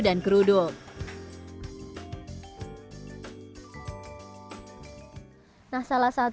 yang jadi posisi lamanya kita teks gimana nerd nya